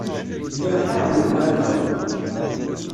Lliɣ ḥareɣ melmi ara d-taweḍ.